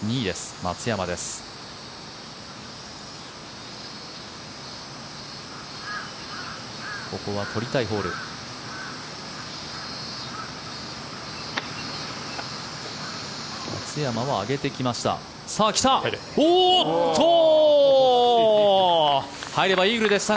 松山は上げてきました。